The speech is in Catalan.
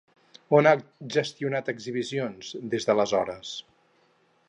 On ha gestionat exhibicions, des d'aleshores?